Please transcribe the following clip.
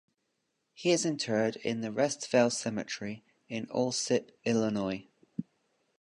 He is interred in the Restvale Cemetery, in Alsip, Illinois.